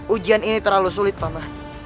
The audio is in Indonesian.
ujian ini terlalu sulit pak mah